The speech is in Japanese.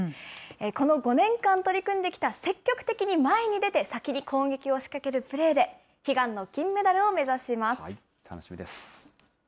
この５年間取り組んできた積極的に前に出て、先に攻撃を仕掛けるプレーで、楽しみです。